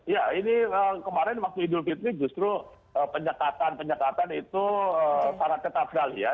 ya ini kemarin waktu idul fitri justru penyekatan penyekatan itu sangat ketat sekali ya